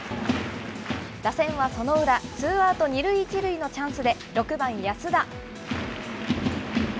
打線はその裏、ツーアウト２塁１塁のチャンスで、６番安田。